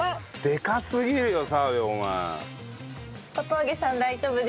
でかすぎるよ澤部お前。